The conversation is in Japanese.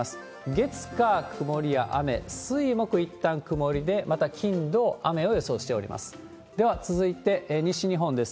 月、火、曇りや雨、水、木、いったん曇りで、また金、土、雨を予想しております。